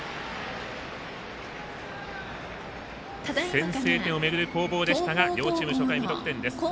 先制点を巡る攻防でしたが両チーム、初回無得点です。